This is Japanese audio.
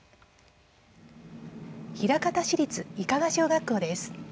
枚方市立伊加賀小学校です。